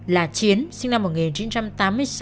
là chiến sinh năm một nghìn chín trăm tám mươi sáu